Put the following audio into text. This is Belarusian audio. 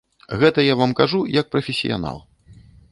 Гэта я вам кажу як прафесіянал.